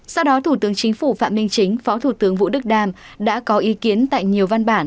sau đó thủ tướng chính phủ phạm minh chính phó thủ tướng vũ đức đam đã có ý kiến tại nhiều văn bản